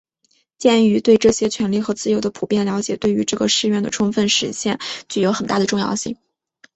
鉴于对这些权利和自由的普遍了解对于这个誓愿的充分实现具有很大的重要性